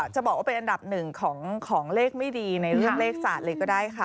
จะบอกว่าเป็นอันดับหนึ่งของเลขไม่ดีในเรื่องเลขศาสตร์เลยก็ได้ค่ะ